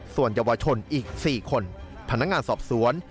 ส่วนเยาวชนอีก๔คนพนักงานสอบสวน